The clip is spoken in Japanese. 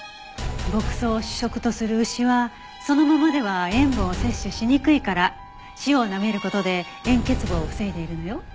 牧草を主食とする牛はそのままでは塩分を摂取しにくいから塩をなめる事で塩欠乏を防いでいるのよ。